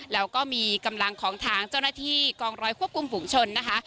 แล้วก็มีกำลังของทางเจ้าหน้าที่กองร้อยควบคุมฝุงชนนะคะ